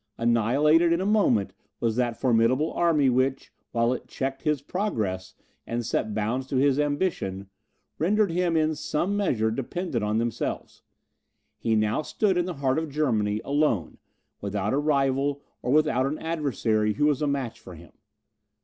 Annihilated in a moment was that formidable army which, while it checked his progress and set bounds to his ambition, rendered him in some measure dependent on themselves. He now stood in the heart of Germany, alone, without a rival or without an adversary who was a match for him.